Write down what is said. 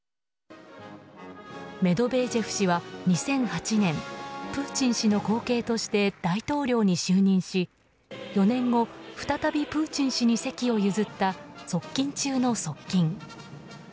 メドベージェフ氏は、２００８年プーチン氏の後継として大統領に就任し、４年後再びプーチン氏に席を譲った側近中の側近。